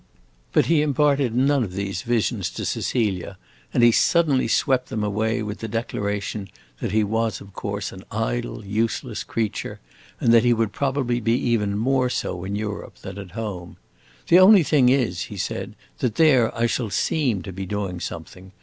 But he imparted none of these visions to Cecilia, and he suddenly swept them away with the declaration that he was of course an idle, useless creature, and that he would probably be even more so in Europe than at home. "The only thing is," he said, "that there I shall seem to be doing something.